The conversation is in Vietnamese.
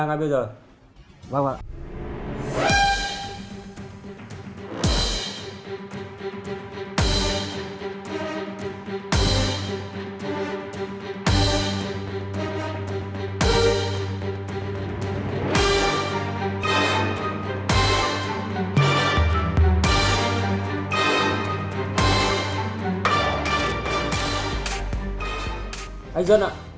ngay bây giờ